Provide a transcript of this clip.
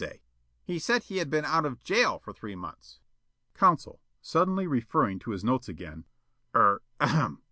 Yollop: "He said he had been out of jail for three months." Counsel, suddenly referring to his notes again: "Er ahem!